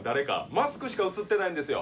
マスクしか映ってないんですよ。